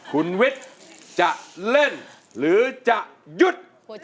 คุณวิทย์จะเล่นหรือจะหยุด